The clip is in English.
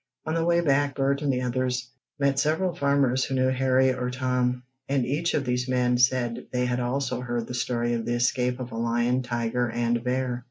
On the way back Bert and the others met several farmers who knew Harry or Tom, and each of these men said they had also heard the story of the escape of a lion, tiger and bear.